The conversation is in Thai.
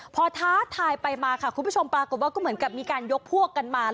พอท้าทายไปมาค่ะคุณผู้ชมปรากฏว่าก็เหมือนกับมีการยกพวกกันมา